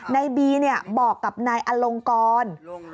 ในบีบอกกับนายอลงกร